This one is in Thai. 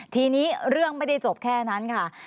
ทีนี้เรื่องไม่ได้จบแค่นั้นค่ะ